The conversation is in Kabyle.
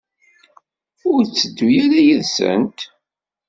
Ur tettedduḍ ara yid-sent?